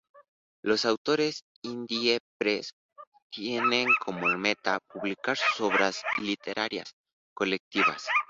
Los autores Indie Press tienen como meta publicar sus obras literarias colectivas.